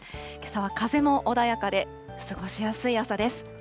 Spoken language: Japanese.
けさは風も穏やかで過ごしやすい朝です。